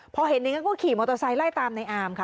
พอเห็นก็ขี่มอเตอร์ไซต์ไล่ตามนายอามค่ะ